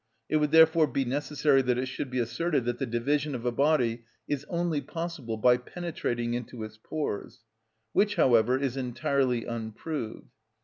It would therefore be necessary that it should be asserted that the division of a body is only possible by penetrating into its pores; which, however, is entirely unproved.